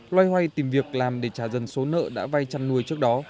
loay hoay tìm việc làm để trả dần số nợ đã vay chăn nuôi trước đó